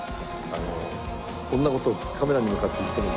あのこんな事をカメラに向かって言っても。